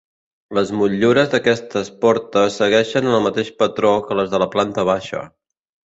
Les motllures d'aquestes portes segueixen el mateix patró que les de la planta baixa.